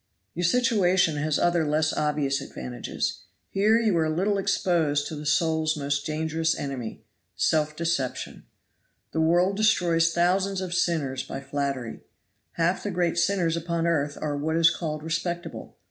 "Your situation has other less obvious advantages. Here you are little exposed to the soul's most dangerous enemy self deception. The world destroys thousands of sinners by flattery. Half the great sinners upon earth are what is called respectable.